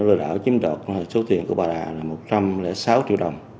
rồi đảo chiếm đoạn số tiền của bà đà là một trăm linh sáu triệu đồng